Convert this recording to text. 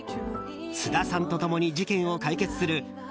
菅田さんと共に事件を解決する